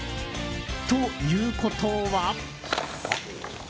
ということは。